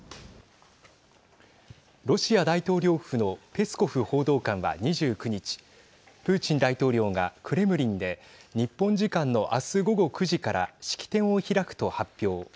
ロシア大統領府のペスコフ報道官は２９日プーチン大統領が、クレムリンで日本時間の明日午後９時から式典を開くと発表。